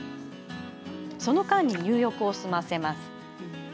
その間に入浴を済ませます。